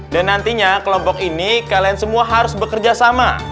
dan nantinya kelompok ini kalian semua harus bekerja sama